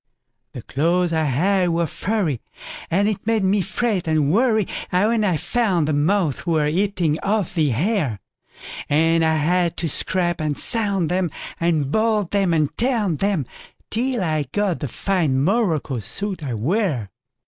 The clothes I had were furry, And it made me fret and worryWhen I found the moths were eating off the hair; And I had to scrape and sand 'em, And I boiled 'em and I tanned 'em, Till I got the fine morocco suit I wear.